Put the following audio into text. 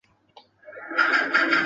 然蜀中亦为嘉州者有香而朵大。